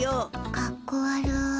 かっこ悪い。